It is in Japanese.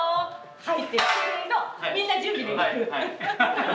はい。